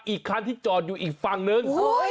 อีกคันที่จอดอยู่อีกฝั่งนึง